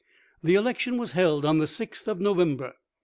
The election was held on the 6th of Novem ber.